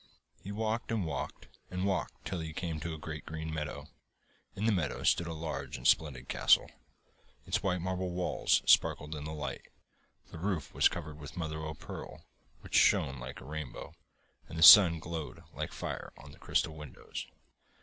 He walked, and walked, and walked, till he came to a great green meadow. In the meadow stood a large and splendid castle. Its white marble walls sparkled in the light, the roof was covered with mother o' pearl, which shone like a rainbow, and the sun glowed like fire on the crystal windows.